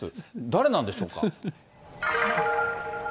誰なんでしょうか。